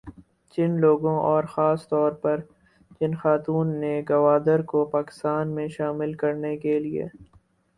جن لوگوں اور خاص طور پر جن خاتون نے گوادر کو پاکستان میں شامل کرنے کے لیے